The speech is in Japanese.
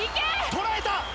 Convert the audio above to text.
捉えた！